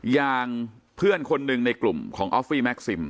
อย่างเพื่อนคนหนึ่งในกลุ่มของออฟฟี่แม็กซิม